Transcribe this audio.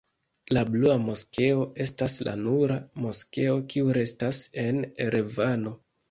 La Blua Moskeo estas la nura moskeo kiu restas en Erevano.